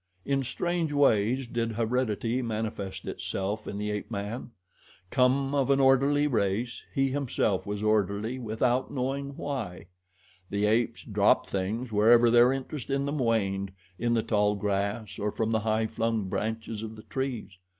In strange ways did heredity manifest itself in the ape man. Come of an orderly race, he himself was orderly without knowing why. The apes dropped things wherever their interest in them waned in the tall grass or from the high flung branches of the trees.